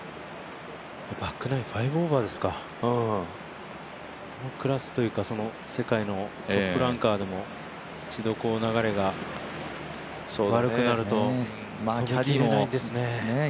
バックナイン、５オーバーですか世界のトップランカーでも一度流れが悪くなると取りきれないんですね。